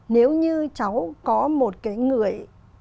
nếu như cháu có một cái người